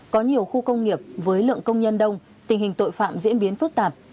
có nhiều khu công nghiệp với lượng công nhân đông tình hình tội phạm diễn biến phức tạp